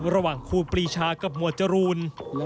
ระหว่างครูปีชากับหมวดจรูน